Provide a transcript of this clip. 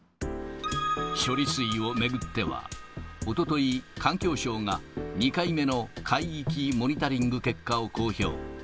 処理水を巡っては、おととい、環境省が、２回目の海域モニタリング結果を公表。